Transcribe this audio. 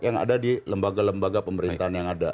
yang ada di lembaga lembaga pemerintahan yang ada